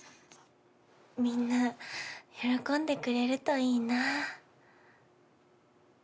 みんな喜んでくれるといいなぁ。